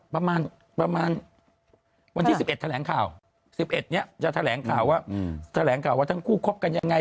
ประมาณประมาณวันที่๑๑แถลงข่าว๑๑เนี่ยจะแถลงข่าวว่าแถลงข่าวว่าทั้งคู่คบกันยังไง